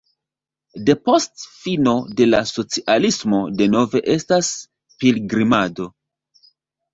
Depost fino de la socialismo denove estas pilgrimado.